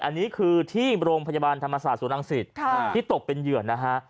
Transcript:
อันนี้คือที่โรงพยาบาลธรรมศาสตร์ศูนย์รังสิตที่ตกเป็นเหยื่อนะฮะ